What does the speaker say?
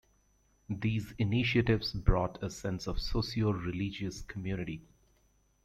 These initiatives brought a sense of socioreligious community.